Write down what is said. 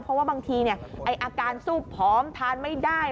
เพราะว่าบางทีอาการสู้ผอมทานไม่ได้